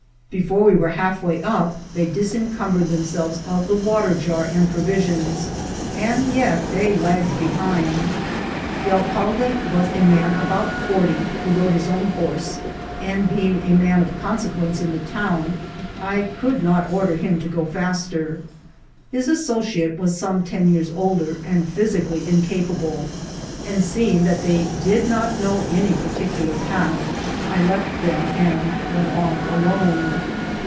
Before we were half way up they disencumber ed themselves of the water jar and provisions, and yet they lagged behind. The alcalde was a man about forty, who rode his own horse, and being a man of con sequence in the town, I could not order him to go fast er ; his associate was some ten years older, and physi cally incapable ; and seeing that they did not know any particular path, I left them and went on alone.